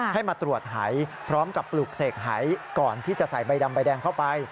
ให้มาตรวจหายพร้อมกับปลุกเสกหายก่อนที่จะใส่ใบดำใบแดงเข้าไป